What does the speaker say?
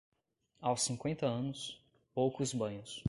Aos cinquenta anos, poucos banhos.